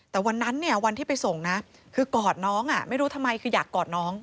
แต่วันนั้นเนี่ยวันที่ไปส่งนะคือกอดน้องไม่รู้ทำไมคืออยากกอดน้อง